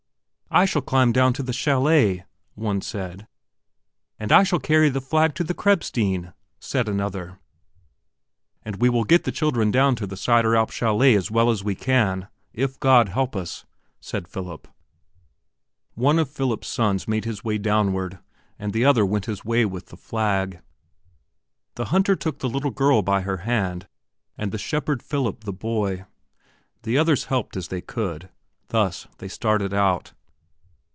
"I shall climb down to the chalet," one said. "And I shall carry the flag to the Krebsstein," said another. "And we will get the children down to the Sideralp chalet as well as we can, if God help us;" said Philip. One of Philip's sons made his way downward, and the other went his way with the flag. The hunter took the little girl by her hand, and the shepherd Philip the boy. The others helped as they could. Thus they started out.